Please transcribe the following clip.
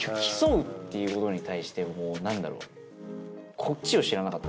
競うっていうことに対してもうなんだろう。